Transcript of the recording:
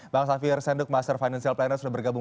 bang safir senduk master financial planner sudah bergabung